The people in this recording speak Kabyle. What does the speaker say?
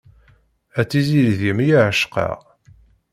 A tiziri deg-m i ɛecqeɣ.